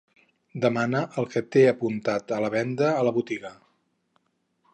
Demana el que t'he apuntat a la venda a la botiga.